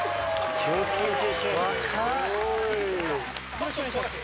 よろしくお願いします。